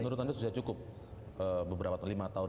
menurut anda sudah cukup beberapa atau lima tahun